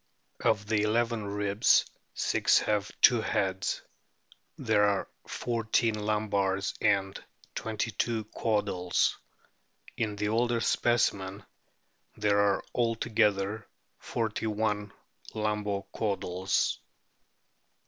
Of the eleven ribs six have two heads. There are fourteen lumbars and twenty two caudals. In the older specimen there are altogether forty one lumbo caudals.